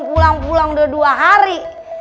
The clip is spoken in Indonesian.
pulang pulang udah dua hari